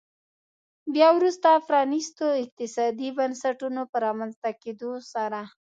بیا وروسته پرانیستو اقتصادي بنسټونو په رامنځته کېدو سره.